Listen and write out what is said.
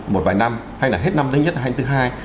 một vài năm hay là hết năm thứ nhất hay thứ hai